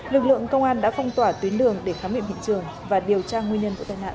lực lượng công an đã phong tỏa tuyến đường để khám nghiệm hiện trường và điều tra nguyên nhân vụ tai nạn